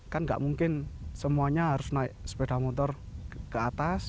kan nggak mungkin semuanya harus naik sepeda motor ke atas